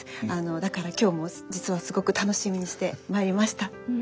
だから今日も実はすごく楽しみにして参りました。